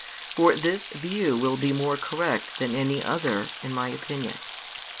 For this view will be more correct than any other, in my opinion.